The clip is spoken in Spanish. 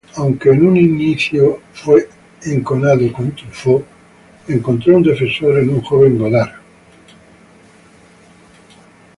Aunque en un inicio enconado con Truffaut, encontró un defensor en un joven Godard.